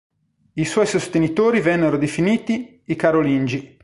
I suoi sostenitori vennero definiti i "carolingi".